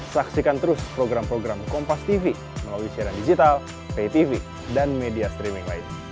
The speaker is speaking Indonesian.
saksikan terus program program kompastv melalui siaran digital paytv dan media streaming lain